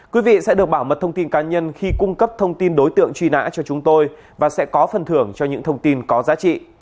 quý vị sẽ được bảo mật thông tin cá nhân khi cung cấp thông tin đối tượng truy nã cho chúng tôi và sẽ có phần thưởng cho những thông tin có giá trị